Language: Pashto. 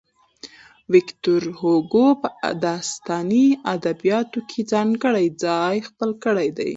ويکټور هوګو په داستاني ادبياتو کې ځانګړی ځای خپل کړی دی.